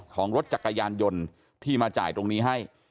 ของรถจักรยานยนต์ที่มาจ่ายตรงนี้ให้